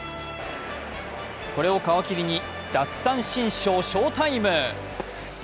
これを皮切りに奪三振ショー翔タイム。